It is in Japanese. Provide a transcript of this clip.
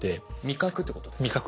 味覚ってことですか？